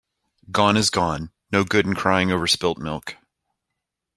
Gone is gone. No good in crying over spilt milk.